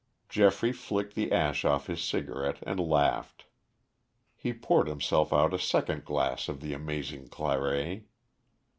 Geoffrey flicked the ash off his cigarette and laughed. He poured himself out a second glass of the amazing claret.